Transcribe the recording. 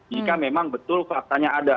jika memang betul faktanya ada